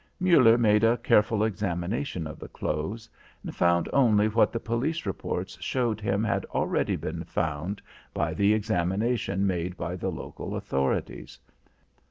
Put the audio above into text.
Muller made a careful examination of the clothes, and found only what the police reports showed him had already been found by the examination made by the local authorities.